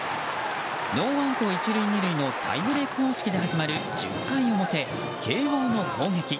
ノーアウト１塁２塁のタイブレーク方式で始まる１０回表、慶應の攻撃。